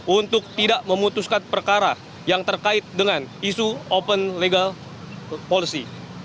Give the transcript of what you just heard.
untuk tidak memutuskan perkara yang terkait dengan isu open legal policy